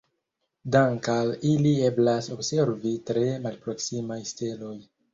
Dank'al ili eblas observi tre malproksimaj steloj.